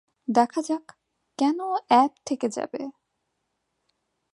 দেখা যাক, কেন অ্যাব থেকে যাবে?